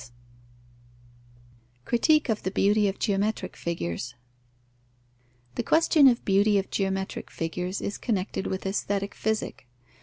Critique of the beauty of geometric figures. The question of the beauty of geometrical figures is connected with aesthetic Physic.